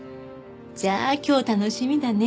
じゃあ今日楽しみだね。